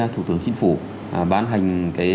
thủ tướng chính phủ bán hành